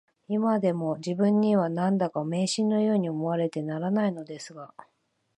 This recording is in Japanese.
いまでも自分には、何だか迷信のように思われてならないのですが